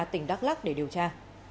tỉnh đắk lắc để điều tra